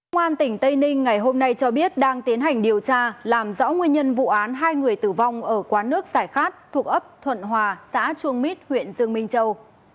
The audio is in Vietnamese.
ngoan tỉnh tây ninh ngày hôm nay cho biết đang tiến hành điều tra làm rõ nguyên nhân vụ án hai người tử vong ở quán nước giải khát thuộc ấp thuận hòa xã chuông mít huyện dương minh châu